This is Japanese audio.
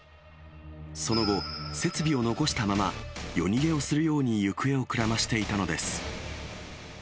その後、設備を残したまま、夜逃げをするように行方をくらましていたのです。